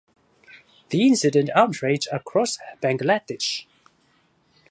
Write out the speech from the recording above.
The incident outrage across Bangladesh.